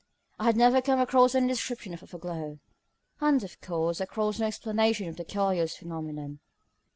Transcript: I had never come across any description of a foreglow; and, of course, across no explanation of the curious phenomenon.